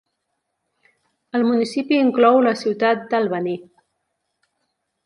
El municipi inclou la ciutat d'Albany.